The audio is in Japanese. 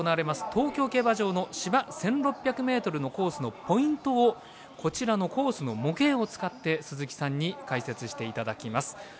東京競馬場の芝１６００ｍのコースのポイントをこちらのコースの模型を使って鈴木さんに解説していただきます。